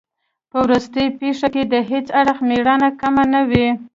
په وروستۍ پېښه کې د هیڅ اړخ مېړانه کمه نه وه.